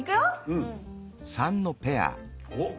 うん。おっ！